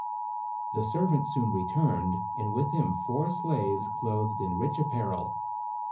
The servant soon returned, and with him four slaves clothed in rich apparel.